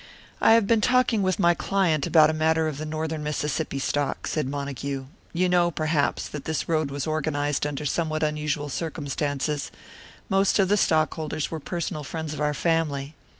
"I have been talking with my client about the matter of the Northern Mississippi stock," said Montague. "You know, perhaps, that this road was organised under somewhat unusual circumstances; most of the stockholders were personal friends of our family.